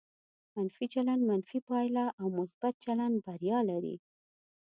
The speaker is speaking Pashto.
منفي چلند منفي پایله او مثبت چلند بریا لري.